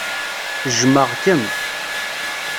Jmeɣ-kem.